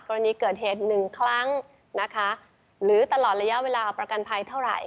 กรณีเกิดเหตุหนึ่งครั้งนะคะหรือตลอดระยะเวลาประกันภัยเท่าไหร่